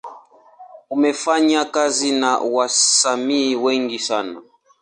Amefanya kazi na wasanii wengi sana.